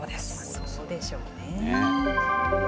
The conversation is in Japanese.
そうでしょうね。